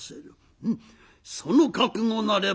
「うんその覚悟なればよかろう」。